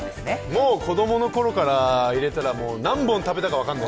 もう子供の頃からを入れたら何本食べたか分からない。